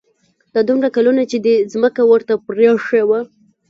دا دومره کلونه چې دې ځمکه ورته پرېښې وه.